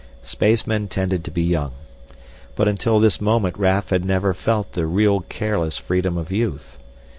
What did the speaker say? Spacemen tended to be young. But until this moment Raf had never felt the real careless freedom of youth.